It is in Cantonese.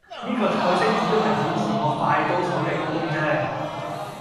呢個菜式主要係顯示我快刀手嘅刀工啫